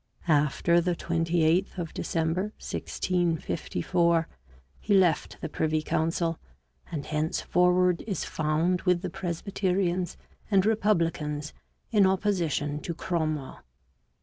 After the 28th of December 1654, he left the privy council, and henceforward is found with the Presbyterians and Republicans in opposition to Cromwell.